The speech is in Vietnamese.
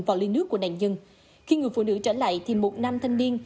vào ly nước của nạn nhân khi người phụ nữ trở lại thì một nam thanh niên